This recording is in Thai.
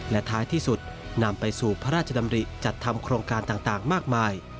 และท้ายที่สุดนำไปสู่พระราชดำริจัดทำโครงการต่างมากมาย